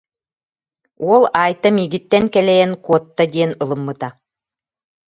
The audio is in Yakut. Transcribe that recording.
Уол Айта миигиттэн кэлэйэн, куотта диэн ылыммыта